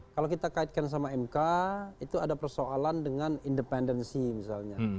kalau kita kaitkan sama mk itu ada persoalan dengan independensi misalnya